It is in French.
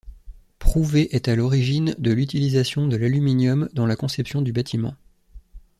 Prouvé est à l'origine de l'utilisation de l'aluminium dans la conception du bâtiment.